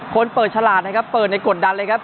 เปิดฉลาดนะครับเปิดในกดดันเลยครับ